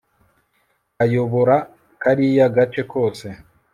kayobora kariya gace kose